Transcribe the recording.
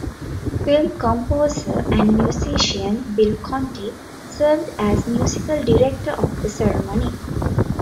Film composer and musician Bill Conti served as musical director of the ceremony.